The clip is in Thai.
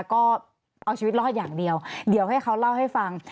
ก็เอาชีวิตรอดอย่างเดียวเดี๋ยวให้เขาเล่าให้ฟัง